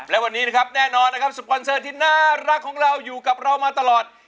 และวันนี้นะครับแน่นอนนะครับสปอนเซอร์ที่น่ารักของเราอยู่กับเรามาตลอด